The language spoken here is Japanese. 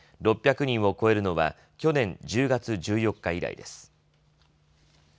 ６００人を超えるのは去年１０月１４日以来です。